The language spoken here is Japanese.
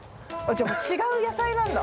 じゃもう違う野菜なんだ。